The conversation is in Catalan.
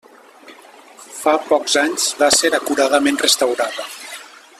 Fa pocs anys va ser acuradament restaurada.